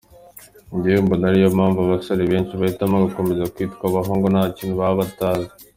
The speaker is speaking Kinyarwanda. Njyewe mbona ariyo mpamvu abasore benshi bahitamo gukomeza kwitwa abahungu ,nta kintu baba batazi.